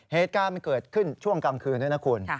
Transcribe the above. เหตุการณ์มันเกิดขึ้นช่วงกลางคืนด้วยนะคุณ